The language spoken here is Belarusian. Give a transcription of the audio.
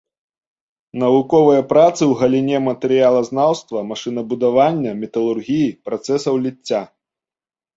Навуковыя працы ў галіне матэрыялазнаўства, машынабудавання, металургіі, працэсаў ліцця.